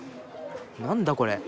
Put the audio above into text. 何だこれ？